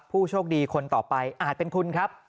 ผู้โชคดีคนต่อไปอาจเป็นคุณครับ